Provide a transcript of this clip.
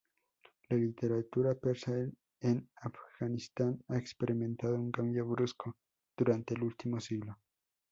La literatura persa en Afganistán ha experimentado un cambio brusco durante el último siglo.